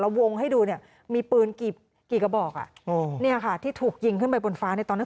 วงให้ดูเนี่ยมีปืนกี่กระบอกอ่ะโอ้เนี่ยค่ะที่ถูกยิงขึ้นไปบนฟ้าในตอนนั้น